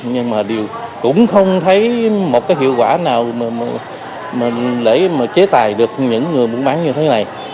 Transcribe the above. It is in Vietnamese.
nhưng mà cũng không thấy một cái hiệu quả nào để chế tài được những người muốn bán như thế này